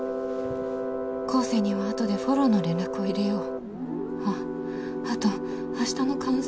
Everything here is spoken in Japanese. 光晴にはあとでフォローの連絡を入れよう。